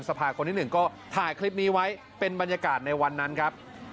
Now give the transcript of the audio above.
ซึ่งก็คือคนที่ทำงานใกล้ตัวเรา